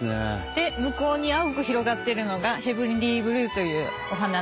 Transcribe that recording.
で向こうに青く広がってるのがヘブンリーブルーというお花なんです。